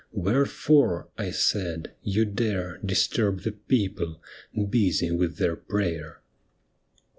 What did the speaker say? " Wherefore," I said, " you dare Disturb the people, busy with their prayer